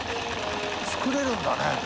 作れるんだね。